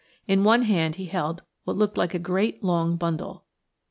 In one hand he held what looked like a great, long bundle.